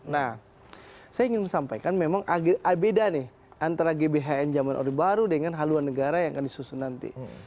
nah saya ingin sampaikan memang beda nih antara gbhn zaman orde baru dengan haluan negara yang akan disusun nanti